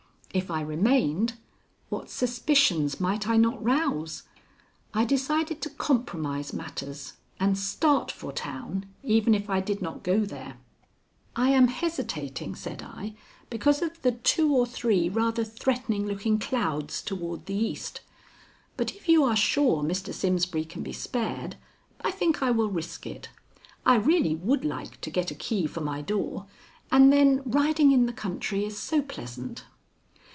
If I remained, what suspicions might I not rouse! I decided to compromise matters, and start for town even if I did not go there. "I am hesitating," said I, "because of the two or three rather threatening looking clouds toward the east. But if you are sure Mr. Simsbury can be spared, I think I will risk it. I really would like to get a key for my door; and then riding in the country is so pleasant."